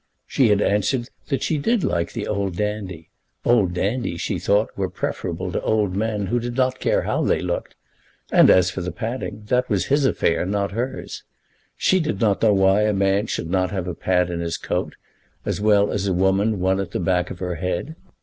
She had answered that she did like the old dandy. Old dandies, she thought, were preferable to old men who did not care how they looked; and as for the padding, that was his affair, not hers. She did not know why a man should not have a pad in his coat, as well as a woman one at the back of her head.